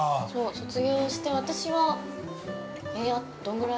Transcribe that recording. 卒業して、私は、どんぐらい？